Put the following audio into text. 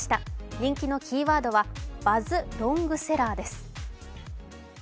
人気のキーワードはバズロングセラーです。